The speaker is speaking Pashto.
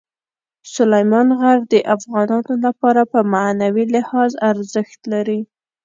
سلیمان غر د افغانانو لپاره په معنوي لحاظ ارزښت لري.